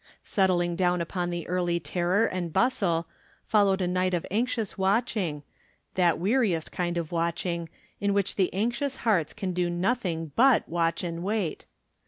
Settling down upon the early terror and bustle, followed a night of anxious watching, that weari est kind of watching, in which the anxious hearts can do nothing but watch and wait.